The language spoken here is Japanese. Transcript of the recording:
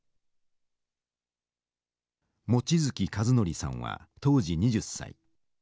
望月一訓さんは当時２０歳。